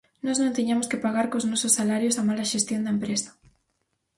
Nós non tiñamos que pagar cos nosos salarios a mala xestión da empresa.